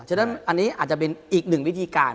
ฉะนั้นอันนี้อาจจะเป็นอีกหนึ่งวิธีการ